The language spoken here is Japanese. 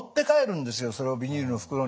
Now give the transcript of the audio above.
それをビニールの袋に入れて。